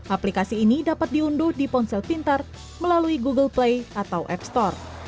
aplikasi ini dapat diunduh di ponsel pintar melalui google play atau app store